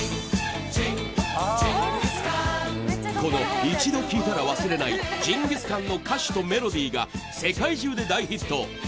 この一度聴いたら忘れない『ジンギスカン』の歌詞とメロディーが世界中で大ヒット。